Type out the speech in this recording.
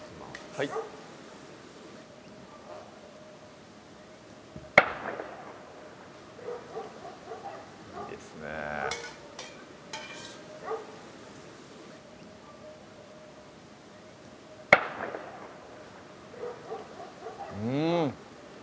はいいいですねうん！